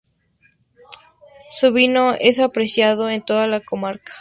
Su vino es apreciado en toda la comarca.